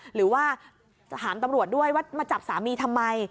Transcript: หรือว่าถามตำรวจด้วยว่ามาจับสามีทำไม